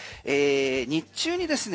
日中にですね